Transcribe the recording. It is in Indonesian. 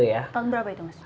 tahun berapa itu